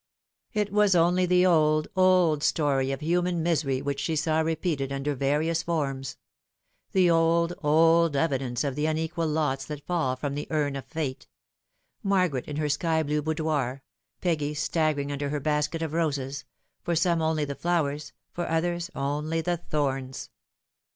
It was only the old, old story of human misery which she saw repeated under various forms ; the old, old evidence of the un equal lots that fall from the urn of Fate Margaret in her sky blue boudoir, Peggy staggering under her basket of roses for some only the flowers, for others only the thorns.